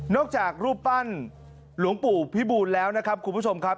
นอกจากรูปปั้นหลวงปู่พิบูรณ์แล้วนะครับ